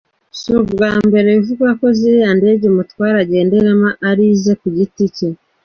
Si ubwa mbere bivugwa ko ziriya ndege umutware agenderamo ari ize ku giti cye.